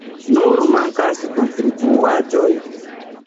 Nur mankas kontribuaĵoj.